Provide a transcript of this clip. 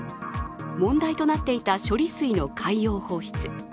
問題となっていた処理水の海洋放出。